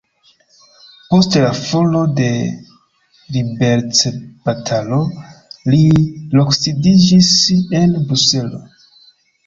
Post la falo de liberecbatalo li loksidiĝis en Bruselo.